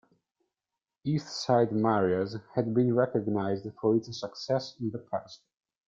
East Side Mario's has been recognized for its success in the past.